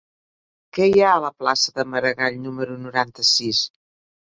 Què hi ha a la plaça de Maragall número noranta-sis?